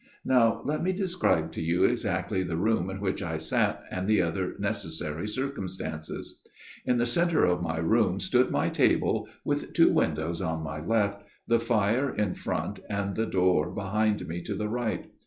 " Now let me describe to you exactly the room in which I sat and the other necessary circumstances. " In the centre of my room stood my table with two windows on my left, the fire in front and the door behind me to the right.